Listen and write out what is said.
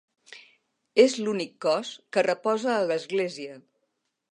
És l'únic cos que reposa a l'església.